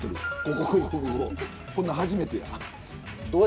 こんなん初めてや。